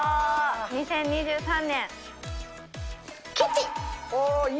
２０２３年。